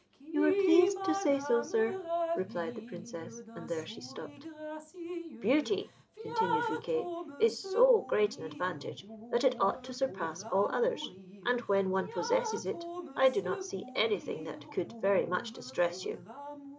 "You are pleased to say so, Sir," replied the Princess; and there she stopped. "Beauty," continued Riquet, "is so great an advantage, that it ought to surpass all others; and when one possesses it, I do not see anything that could very much distress you."